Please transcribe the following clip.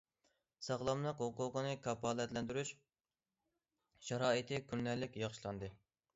ساغلاملىق ھوقۇقىنى كاپالەتلەندۈرۈش شارائىتى كۆرۈنەرلىك ياخشىلاندى.